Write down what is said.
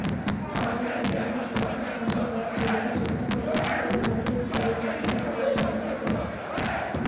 আগুন সন্ত্রাসী-নাশকতার সঙ্গে যারা জড়িত, যুদ্ধাপরাধীদের মতোই বিচারের মাধ্যমে তারা সাজা পাবে।